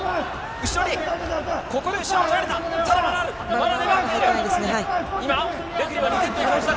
後ろに、ここで後ろを取られた。